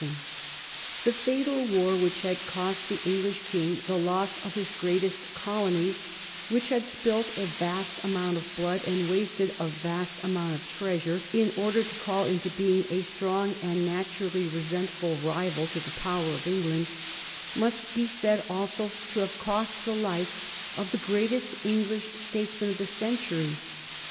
[Sidenote: 1778 Death of the Earl of Chatham] The fatal war which had cost the English King the loss of his greatest colonies, which had spilt a vast amount of blood and wasted a vast amount of treasure in order to call into being a strong and naturally resentful rival to the power of England, must be said also to have cost the life of the greatest English statesman of the century.